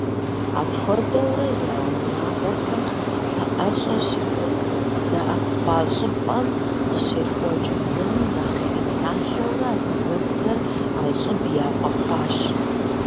Апхуэдэурэ я унагъуэхэм пэӀэщӀэ щыхъум, здэӀэпхъуа щӀыпӀэм къыщекӀуэкӀ бзэм нэхъ ирипсалъэурэ, адыгэбзэр ӀэщӀыб яфӀэхъуащ.